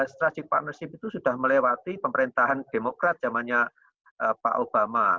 strategic partnership itu sudah melewati pemerintahan demokrat zamannya pak obama